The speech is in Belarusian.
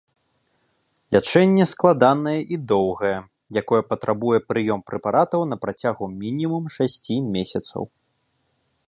Лячэнне складанае і доўгае, якое патрабуе прыём прэпаратаў на працягу мінімум шасці месяцаў.